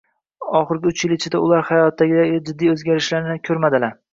Oxirgi uch yil ichida ular hayotlarida jiddiy o'zgarishlarni ko'rmadilar